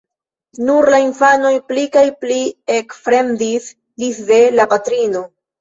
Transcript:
Nur la infanoj pli kaj pli ekfremdis disde la patrino.